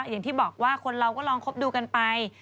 อย่างที่บอกว่าคนเราก็ลองคบดูกันไป